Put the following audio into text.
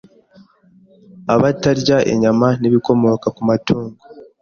Abatarya inyama n'ibikomoka ku matungo